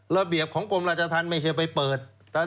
ระเบียบของกรมราชธรรมไม่ใช่ไปเปิด